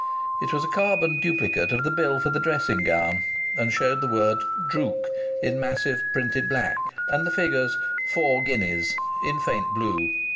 It was a carbon duplicate of the bill for the dressing gown, and showed the word "Drook" in massive printed black, and the figures £4, 4s. in faint blue.